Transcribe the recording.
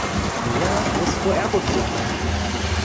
Mia muss zur Ergotherapie gehen.